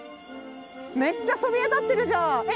めっちゃそびえ立ってるじゃん。